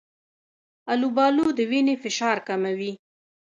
آلوبالو د وینې فشار کموي.